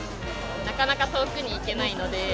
なかなか遠くに行けないので。